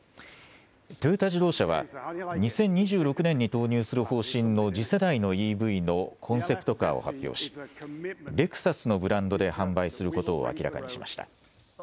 トヨタ自動車は、２０２６年に投入する方針の次世代のＥＶのコンセプトカーを発表し、レクサスのブランドで販売することを明らかにしました。